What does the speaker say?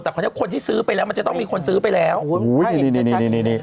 แต่คนที่ซื้อไปแล้วมันจะต้องมีคนซื้อไปแล้วโอ้โหนี่